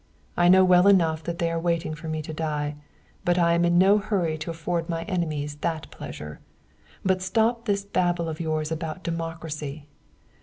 I know well enough that they are waiting for me to die; but I am in no hurry to afford my enemies that pleasure. But stop this babble of yours about democracy.